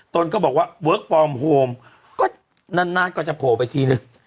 ตนก็บอกว่าเวิร์คฟอร์มโฮมก็นานก็จะโผล่ไปทีนึง